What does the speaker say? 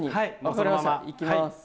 そのままいきます。